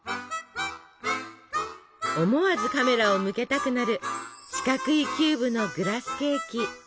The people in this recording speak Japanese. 思わずカメラを向けたくなる四角いキューブのグラスケーキ。